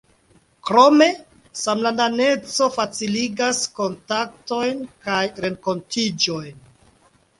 Krome, samlandaneco faciligas kontaktojn kaj renkontiĝojn.